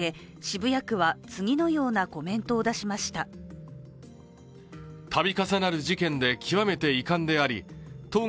渋谷区は次のようなコメントを出しました。